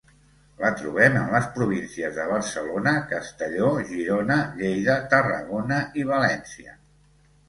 La trobem en les províncies de Barcelona, Castelló, Girona, Lleida, Tarragona i València.